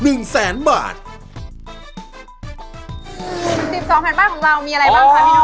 ๑๒แผ่นป้ายของเรามีอะไรบ้างครับพี่ดู